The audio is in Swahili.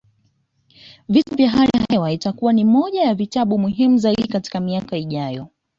Vita vya hali ya hewa itakuwa moja ya vitabu muhimu zaidi katika miaka ijayo